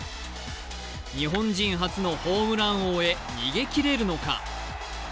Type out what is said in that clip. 日本人初のホームラン王へ逃げきれるのか？